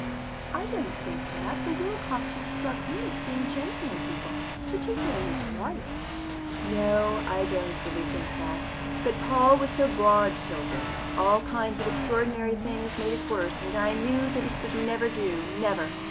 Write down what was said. " "I don't think that. The Wilcoxes struck me as being genuine people, particularly the wife." "No, I don't really think that. But Paul was so broad shouldered; all kinds of extraordinary things made it worse, and I knew that it would never do never.